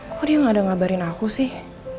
kok dia gak ada ngabarin aku sih